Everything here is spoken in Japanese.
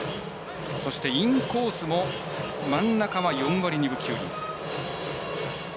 そして、インコースも真ん中は４割２分９厘。